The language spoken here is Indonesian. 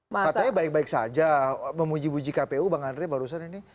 makanya baik baik saja memuji puji kpu bang andre barusan ini